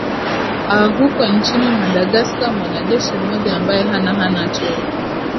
a huko nchini madagascar mwanajeshi mmoja ambaye hana hana cheo